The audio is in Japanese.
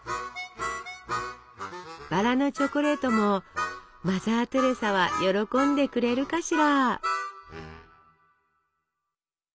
バラのチョコレートもマザー・テレサは喜んでくれるかしら？